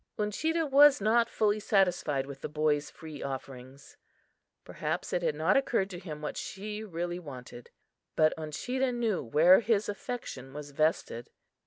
Uncheedah was not fully satisfied with the boy's free offerings. Perhaps it had not occurred to him what she really wanted. But Uncheedah knew where his affection was vested.